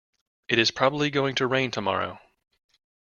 It is probably going to rain tomorrow.